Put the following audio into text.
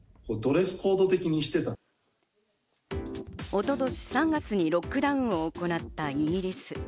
一昨年３月にロックダウンを行ったイギリス。